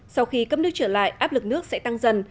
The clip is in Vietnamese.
sau khi cấp nước trở lại áp lực nước sẽ tăng dần